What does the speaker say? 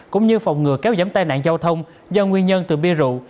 cũng như phòng ngừa kéo giảm tai nạn giao thông do nguyên nhân từ bia rượu